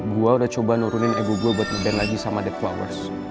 gue udah coba nurunin ego gue buat nge bank lagi sama dead flowers